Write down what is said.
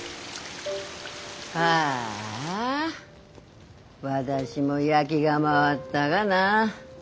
ああ私も焼ぎが回ったがな。